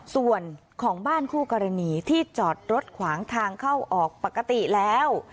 ส่วนของบ้านคู่กรณีที่จอดรถขวางทางเข้าออกปกติแล้ว